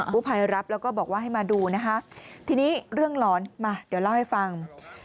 ผู้ภัยรับแล้วก็บอกว่าให้มาดูนะคะทีนี้เรื่องหลอนมาเดี๋ยวเล่าให้ฟัง